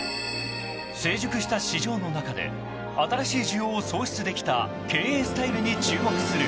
［成熟した市場の中で新しい需要を創出できた経営スタイルに注目する］